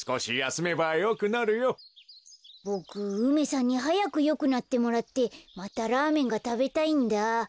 ボク梅さんにはやくよくなってもらってまたラーメンがたべたいんだ。